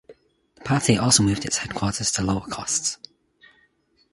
The party also moved its headquarters to lower costs.